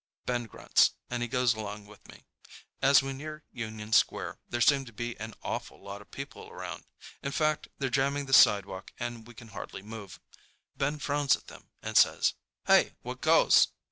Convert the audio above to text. Ben grunts, and he goes along with me. As we get near Union Square, there seem to be an awful lot of people around. In fact they're jamming the sidewalk and we can hardly move. Ben frowns at them and says, "Hey, what goes?"